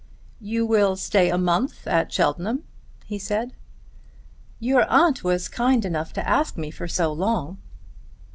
"You will stay a month at Cheltenham?" he said. "Your aunt was kind enough to ask me for so long."